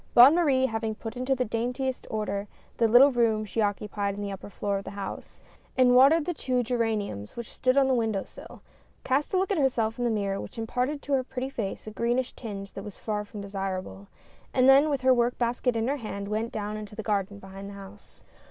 Bonne Marie having put into the dain tiest order the little room she occupied on the upper fioor of the house — and watered the two geraniums which stood on the window sill — cast a look at herself in the mirror which imparted to her pretty face a greenish tinge that was far from desirable, and then with her work basket in her hand, went down into the garden, beliind the house.